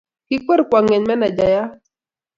kikwer kwong'et menejayat